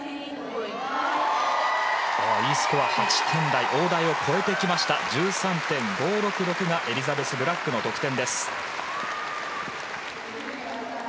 Ｅスコアは８点台の大台を超えてきまして１３．５６６がエリザベス・ブラックの得点。